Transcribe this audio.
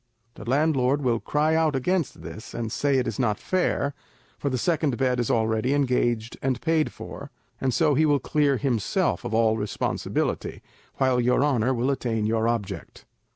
The landlord will cry out against this, and say it is not fair, for the second bed is already engaged and paid for; and so he will clear himself of all responsibility, while your honour will attain your object."